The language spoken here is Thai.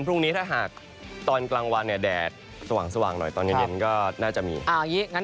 เพราะว่าหลายคนน่าเตรียมจะไปดู